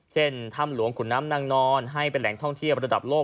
ถ้ำหลวงขุนน้ำนางนอนให้เป็นแหล่งท่องเที่ยวระดับโลก